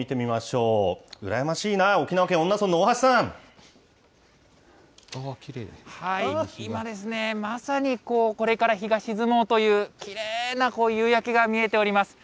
うらやましいな、今ですね、まさにこれから日が沈もうという、きれいな夕焼けが見えております。